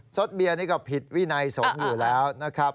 สดเบียร์นี่ก็ผิดวินัยสงฆ์อยู่แล้วนะครับ